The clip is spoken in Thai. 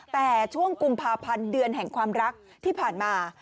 แต่ช่วงกุมภาพันธ์เดือนแห่งความรักที่ผ่านมา